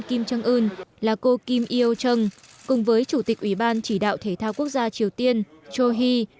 kim trăng ưn là cô kim il chung cùng với chủ tịch ủy ban chỉ đạo thể thao quốc gia triều tiên cho hee